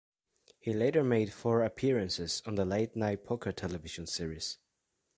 He later made four appearances on the Late Night Poker television series.